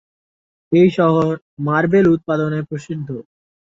এই শহর মার্বেল উৎপাদনে প্রসিদ্ধ।